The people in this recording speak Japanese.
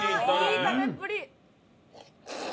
いい食べっぷり！